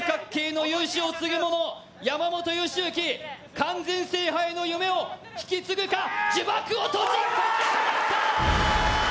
完全制覇への夢を引き継ぐか呪縛を解き放った。